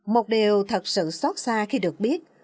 một điều thật sự xót xa khi được biết